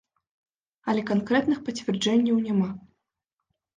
Але канкрэтных пацвярджэнняў няма.